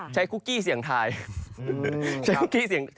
ใช้คุกกี้เสียงไทย